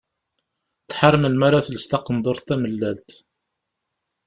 Tḥar melmi ara tels taqendurt tamellalt.